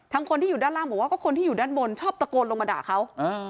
คนที่อยู่ด้านล่างบอกว่าก็คนที่อยู่ด้านบนชอบตะโกนลงมาด่าเขา